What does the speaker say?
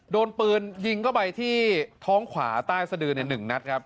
โดนปืนยิงเข้าไปที่ท้องขวาใต้สะดือใน๑นัดครับ